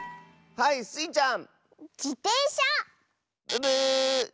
はいスイちゃん！